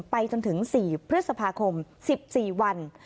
ไปจนถึง๔พฤษภาคม๑๔วัน